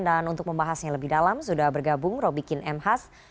dan untuk membahasnya lebih dalam sudah bergabung robikin m has